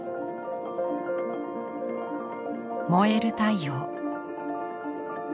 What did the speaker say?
燃える太陽。